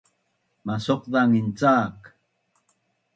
masauqzangin cak